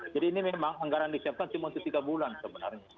jadi ini memang anggaran disiapkan cuma untuk tiga bulan sebenarnya